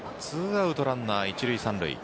ツーアウトランナー１塁３塁。